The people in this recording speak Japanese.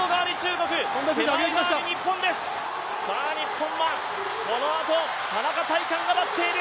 日本はこのあと、田中大寛が待っている。